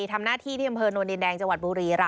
ทำหน้าที่ที่อำเภอโนนดินแดงจังหวัดบุรีรำ